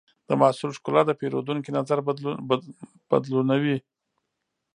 د محصول ښکلا د پیرودونکي نظر بدلونوي.